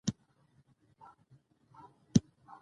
له پروازه وه لوېدلي شهپرونه